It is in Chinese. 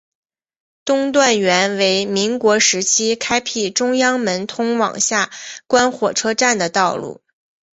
东段原为民国时期开辟中央门通往下关火车站的道路。